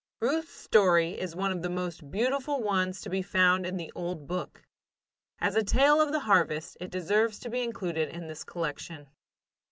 Ruth's story is one of the most beautiful ones to be found in the Old Book. As a tale of the harvest, it deserves to be included in this collection.